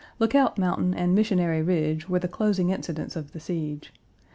Lookout Mountain and Missionary Ridge were the closing incidents of the siege.